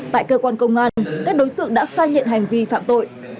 tại cơ quan công an các đối tượng đã khai nhận hành vi phạm tội